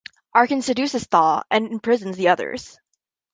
Archan seduces Thaw and imprisons the others.